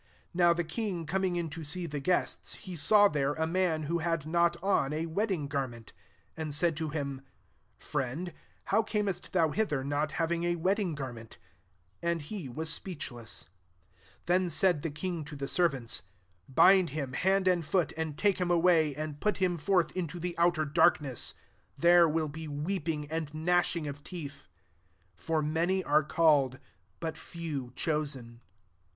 1^ Now the king coming in to se2 the guests, he saw there a ma^ who had not on a wedding gar2 ment; 12 and said to hin^ * Friend, how camest thou hl% ther, not having a wedding gar* ment ?' And he was speechleas»j 13 Then said the king to tf " servants, ' Bind him, hand ai foot, and [take him away, an< put him forth into the ou darkness : there will be wei ing and gnashing of teeth.* 1 For many are called, but few* chosen.